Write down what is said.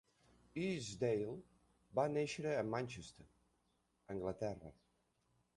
Easdale va néixer a Manchester (Anglaterra).